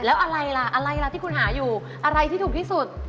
แล้วอะไรล่ะอะไรล่ะที่คุณหาอยู่อะไรที่ถูกที่สุด